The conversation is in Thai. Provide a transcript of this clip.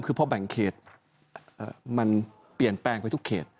คือพอแบ่งเขตมันเปลี่ยนแปลงไปทุกเขต